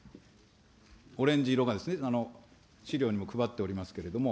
オレンジ色がですね、資料にも配っておりますけれども。